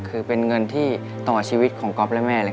คือเป็นเงินที่ต่อชีวิตของก๊อฟและแม่